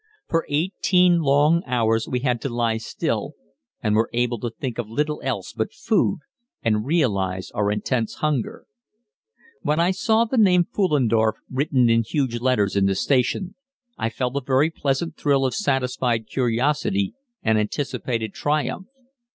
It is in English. For eighteen long hours we had to lie still, and were able to think of little else but food, and realize our intense hunger. When I saw the name Pfullendorf written in huge letters in the station, I felt a very pleasant thrill of satisfied curiosity and anticipated triumph.